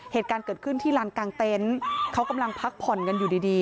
เหตุการณ์เกิดขึ้นที่ลานกลางเต็นต์เขากำลังพักผ่อนกันอยู่ดีดี